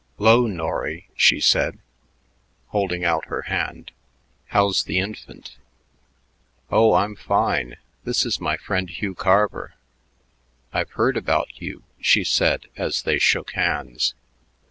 "'Lo, Norry," she said, holding out her hand. "How's the infant?" "Oh, I'm fine. This is my friend Hugh Carver." "I've heard about you," she said as they shook hands.